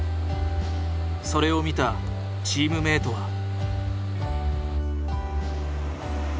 それを見たチームメートは。